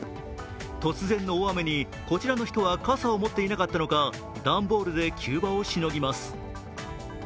突然の大雨にこちらの人は傘を持っていなかったのか段ボールで急場をしのぎます。